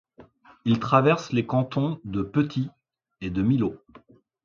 Il traverse les cantons de Petit et de Milot.